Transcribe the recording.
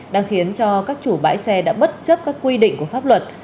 đang khiến cho các chủ bãi xe đã bất chấp các quy định của pháp luật